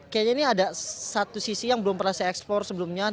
kayaknya ini ada satu sisi yang belum pernah saya eksplor sebelumnya